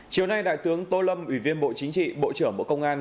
chiều nay đại tướng tô lâm ủy viên bộ chính trị bộ trưởng bộ công an